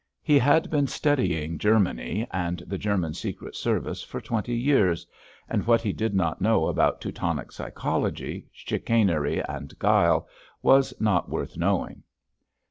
He had been studying Germany and the German secret service for twenty years, and what he did not know about Teutonic psychology, chicanery and guile, was not worth knowing.